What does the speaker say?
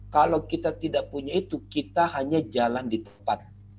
kalau kita tidak punya itu kita hanya jalan di tempat